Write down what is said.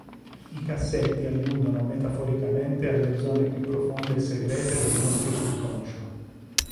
I cassetti alludono metaforicamente alle zone più profonde e segrete del nostro subconscio.